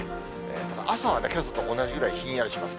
ただ朝はね、けさと同じぐらいひんやりします。